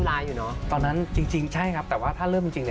คุณผู้ชมไม่เจนเลยค่ะถ้าลูกคุณออกมาได้มั้ยคะ